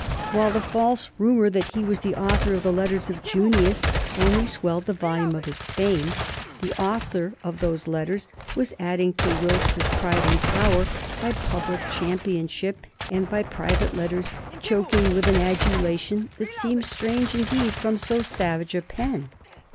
While the false rumor that he was the author of "The Letters of Junius" only swelled the volume of his fame, the author of those letters was adding to Wilkes's pride and power by public championship and by private letters, choking with an adulation that seems strange indeed from so savage a pen.